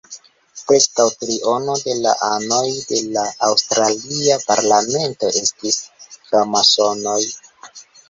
Preskaŭ triono de la anoj de la aŭstralia parlamento estis framasonoj.